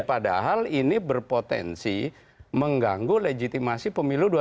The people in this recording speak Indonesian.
padahal ini berpotensi mengganggu legitimasi pemilu dua ribu dua puluh